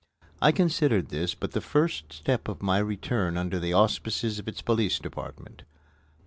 I considered this but the first step of my return under the auspices of its Police Department.